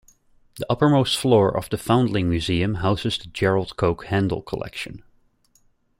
The uppermost floor of the Foundling Museum houses the Gerald Coke Handel Collection.